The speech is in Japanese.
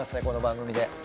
この番組で。